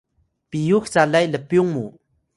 piyux calay lpyung mu